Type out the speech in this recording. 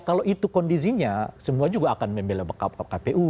kalau itu kondisinya semua juga akan membela kpu